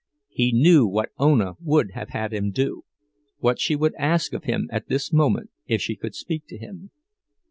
He knew what Ona would have had him do, what she would ask of him at this moment, if she could speak to him.